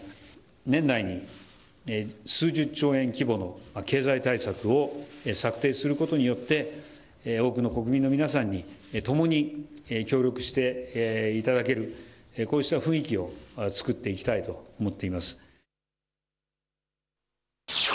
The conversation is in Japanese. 年内に数十兆円規模の経済対策を策定することによって、多くの国民の皆さんに、ともに協力していただける、こうした雰囲気を、作っていきたいと思っています。